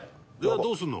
「どうするの？」